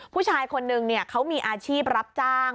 ผู้ชายคนนึงเขามีอาชีพรับจ้าง